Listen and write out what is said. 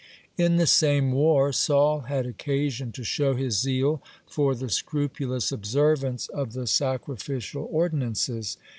(57) In the same war Saul had occasion to show his zeal for the scrupulous observance of the sacrificial ordinances.